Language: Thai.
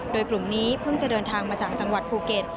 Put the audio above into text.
โดยกลุ่มนี้เพิ่งจะเดินทางมาจากจังหวัดภูเก็ต